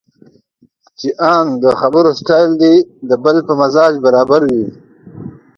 چې ان د خبرو سټایل دې د بل په مزاج برابر وي.